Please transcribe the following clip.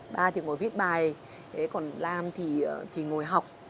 ba thì có viết bài còn lam thì ngồi học